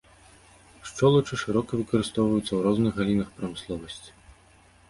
Шчолачы шырока выкарыстоўваюцца ў розных галінах прамысловасці.